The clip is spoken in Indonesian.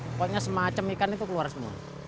pokoknya semacam ikan itu keluar semua